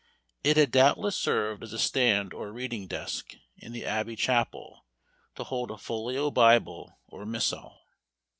It had doubtless served as a stand or reading desk, in the Abbey chapel, to hold a folio Bible or missal.